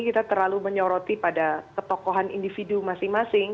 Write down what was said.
kita terlalu menyoroti pada ketokohan individu masing masing